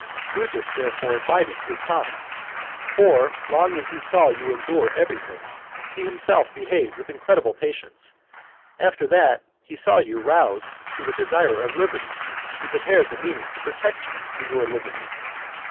Brutus, therefore, bided his time. For, as long as he saw you endure everything, he himself behaved with incredible patience, after that he saw you roused to a desire of liberty, he prepared the means to protect you in your liberty.